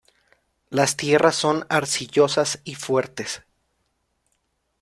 Las tierras son arcillosas y fuertes.